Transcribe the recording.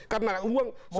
karena uang sosial